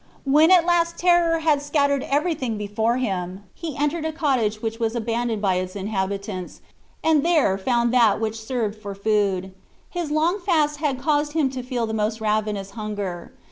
When at last terror had scattered everything before him, he entered a cottage which was abandoned by its inhabitants, and there found that which served for food. His long fast had caused him to feel the most ravenous hunger.